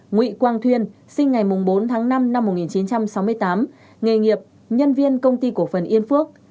nguyễn quang thuyên sinh ngày bốn tháng năm năm một nghìn chín trăm sáu mươi tám nghề nghiệp nhân viên công ty cổ phần yên phước